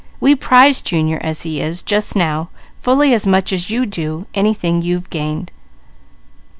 We prize Junior as he is just now, fully as much as you do anything you've gained."